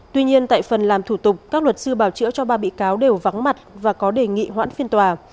tuy nhiên tại phần làm thủ tục các luật sư bảo chữa cho ba bị cáo đều vắng mặt và có đề nghị hoãn phiên tòa